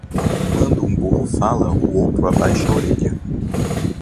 Quando um burro fala, o outro abaixa a orelha.